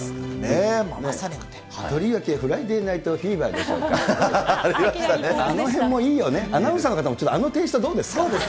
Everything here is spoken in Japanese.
まさにフライデーナイトフィーバーでしょうか、あのへんもいいよね、アナウンサーの方もあのテンションどうですか。